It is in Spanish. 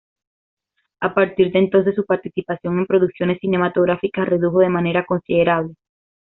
A partir de entonces su participación en producciones cinematográficas redujo de manera considerable.